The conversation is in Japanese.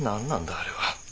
あれは。